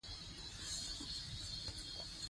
تودوخه د افغانستان په اوږده تاریخ کې ذکر شوی دی.